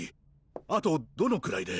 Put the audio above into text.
あとどのくらいで？